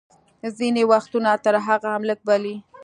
ځینې وختونه تر هغه هم لږ، بلې.